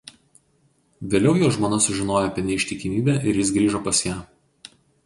Vėliau jo žmona sužinojo apie neištikimybę ir jis grįžo pas ją.